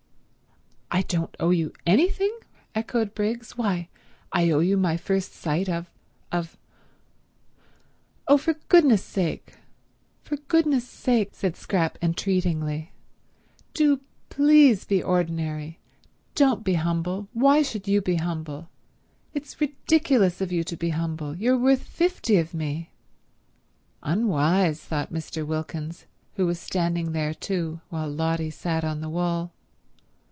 "I don't owe you anything?" echoed Briggs. "Why, I owe you my first sight of—of—" "Oh, for goodness sake—for goodness sake," said Scrap entreatingly, "do, please, be ordinary. Don't be humble. Why should you be humble? It's ridiculous of you to be humble. You're worth fifty of me." "Unwise," thought Mr. Wilkins, who was standing there too, while Lotty sat on the wall.